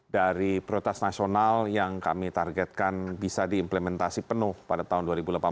dari prioritas nasional yang kami targetkan bisa diimplementasi penuh pada tahun dua ribu delapan belas